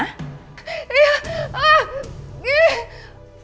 ih ah ih